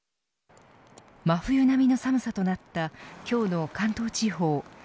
真冬並みの寒さとなった今日の関東地方。